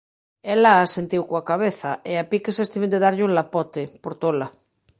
Ela asentiu coa cabeza, e a piques estiven de darlle un lapote, por tola.